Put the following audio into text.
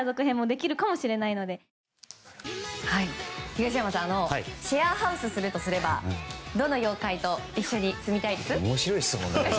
東山さんシェアハウスするとすればどの妖怪と一緒に住みたいですか？